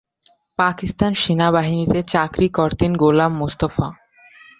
পাকিস্তান সেনাবাহিনীতে চাকরি করতেন গোলাম মোস্তফা।